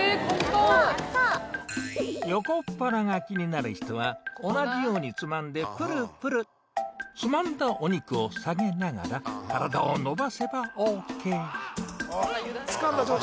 横っ腹が気になる人は同じようにつまんでぷるぷるつまんだお肉を下げながら体を伸ばせばＯＫ！